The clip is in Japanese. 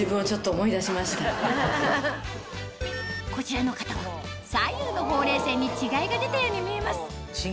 こちらの方は左右のほうれい線に違いが出たように見えます